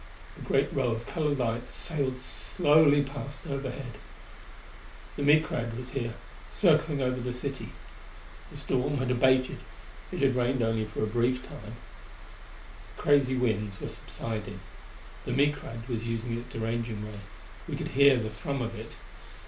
A great row of colored lights sailed slowly past overhead. The Micrad was here, circling over the city. The storm had abated; it had rained only for a brief time. The crazy winds were subsiding. The Micrad was using its deranging ray: we could hear the thrum of it.